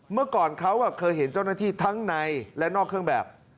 เมื่อก่อนเขาเคยเห็นเจ้าหน้าที่ทั้งในและนอกเครื่องแบบ